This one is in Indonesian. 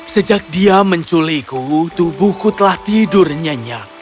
sejak dia menculikku tubuhku telah tidur nyenyak